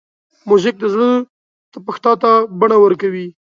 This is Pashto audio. موزیک د زړه تپښتا ته بڼه ورکوي.